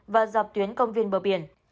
và dọc tuyến công viên bờ biển